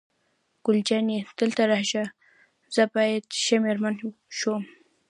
ګل جانې: دلته راشه، زه بیا ښه مېرمن شوم.